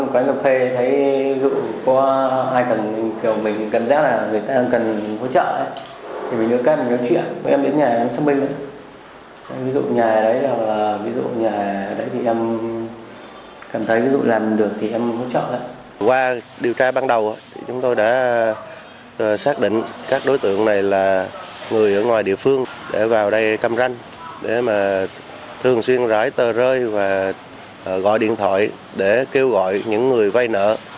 qua điều tra ban đầu chúng tôi đã xác định các đối tượng này là người ở ngoài địa phương để vào đây cam ranh để mà thường xuyên rải tờ rơi và gọi điện thoại để kêu gọi những người vay nợ